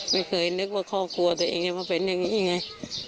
ไม่เคยนึกว่าครอบครัวตัวเองจะมาเป็นอย่างนี้ไง